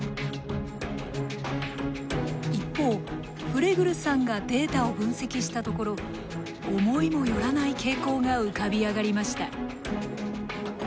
一方フレグルさんがデータを分析したところ思いも寄らない傾向が浮かび上がりました。